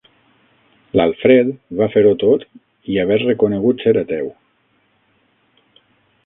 L'Alfred va fer-ho tot i haver reconegut ser ateu.